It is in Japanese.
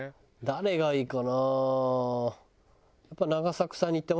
誰がいいかな？